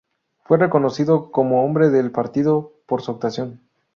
Fue reconocido como hombre del partido por su actuación.